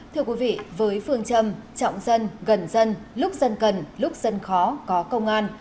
thưa quý vị với phương châm trọng dân gần dân lúc dân cần lúc dân khó có công an